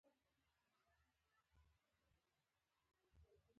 که د یونان هغه خلک اوس هم وای.